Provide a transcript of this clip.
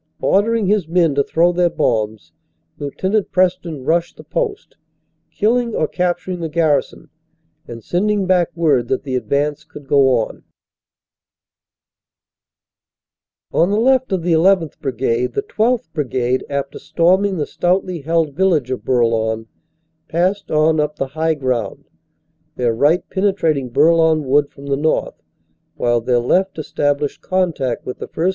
Ordering his men to throw their bombs, Lt. Preston rushed the post, killing or capturing the garrison, and sending back word that the advance could go on. On the left of the llth. Brigade, the 12th. Brigade, after storming the stoutly held village of Bourlon, passed on up the high ground, their right penetrating Bourlon Wood from the north, while their left established contact with the 1st.